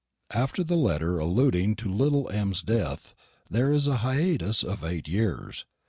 After the letter alluding to little M.'s death, there is a hiatus of eight years.